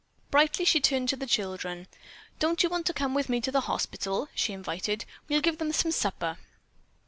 Brightly she turned to the children. "Don't you want to come with me to the hospital?" she invited. "We'll give them some supper."